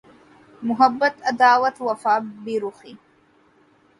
Muhabbat Adawat Wafa Berukhi